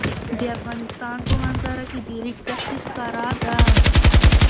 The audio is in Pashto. د افغانستان په منظره کې د ریګ دښتې ښکاره ده.